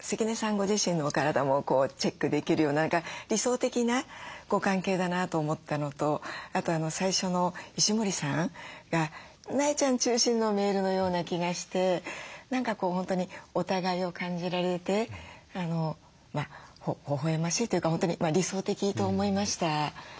ご自身のお体もチェックできるような理想的なご関係だなと思ったのとあと最初の石森さんが苗ちゃん中心のメールのような気がして何か本当にお互いを感じられてほほえましいというか本当に理想的と思いました。